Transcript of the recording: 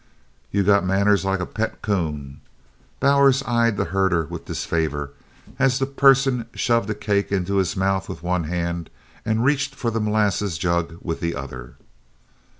"You got manners like a pet 'coon," Bowers eyed the herder with disfavor as that person shoved a cake into his mouth with one hand and reached for the molasses jug with the other.